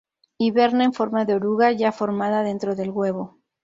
Hiberna en forma de oruga ya formada dentro del huevo.